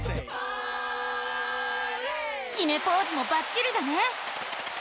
きめポーズもバッチリだね！